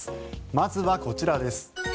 まずはこちらです。